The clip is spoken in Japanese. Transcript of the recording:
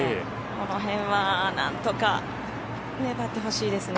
この辺は何とか粘ってほしいですね。